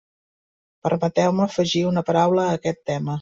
Permeteu-me afegir una paraula a aquest tema.